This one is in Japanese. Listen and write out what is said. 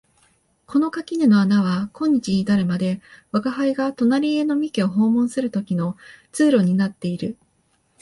この垣根の穴は今日に至るまで吾輩が隣家の三毛を訪問する時の通路になっている